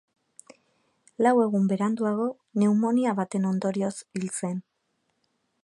Lau egun beranduago, pneumonia baten ondorioz hil zen.